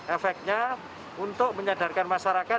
efeknya untuk menyadarkan masyarakat